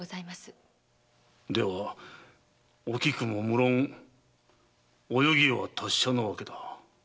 ではおきくも無論泳ぎは達者なわけだ。